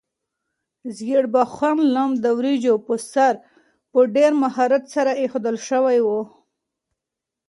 ژیړبخون لم د وریجو په سر په ډېر مهارت سره ایښودل شوی و.